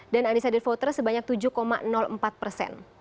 dan andesanit voters sebanyak tujuh empat persen